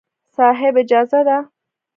صاحب! اجازه ده.